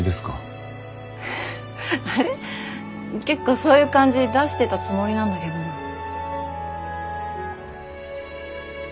結構そういう感じ出してたつもりなんだけどな？